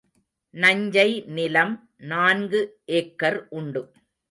நஞ்சை நிலம் நான்கு ஏக்கர் உண்டு.